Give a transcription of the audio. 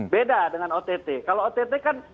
beda dengan ott kalau ott kan